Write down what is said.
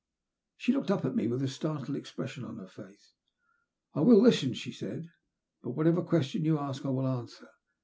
She looked up at me with a startled expression on her face. " I will listen," she said, " and whatever question you ask I will answer.